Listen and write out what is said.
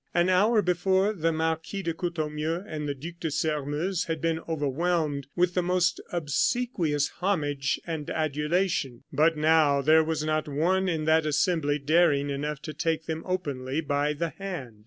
An hour before, the Marquis de Courtornieu and the Duc de Sairmeuse had been overwhelmed with the most obsequious homage and adulation. But now there was not one in that assembly daring enough to take them openly by the hand.